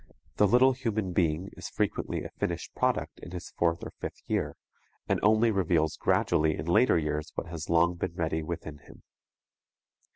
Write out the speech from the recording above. The little human being is frequently a finished product in his fourth or fifth year, and only reveals gradually in later years what has long been ready within him.